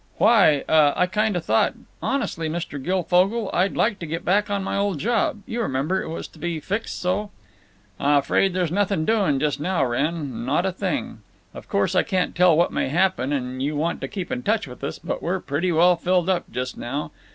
"Why—uh—I kind of thought—Honestly, Mr. Guilfogle, I'd like to get back on my old job. You remember—it was to be fixed so—" "Afraid there's nothing doing just now, Wrenn. Not a thing. Course I can't tell what may happen, and you want to keep in touch with us, but we're pretty well filled up just now.